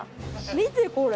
見てこれ。